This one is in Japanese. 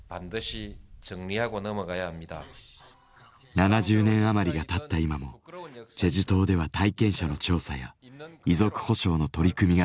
７０年余りがたった今もチェジュ島では体験者の調査や遺族補償の取り組みが続いています。